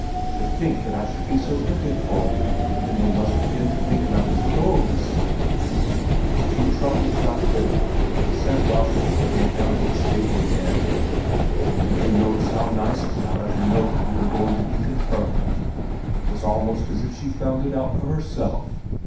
To think that I should be so forgetful! Then we must begin to think about his clothes." "That's two troubles got rid of!" said Lasse when they went down to the stable again. "And did you notice how nicely I let her know that you were going to be confirmed? It was almost as if she'd found it out for herself.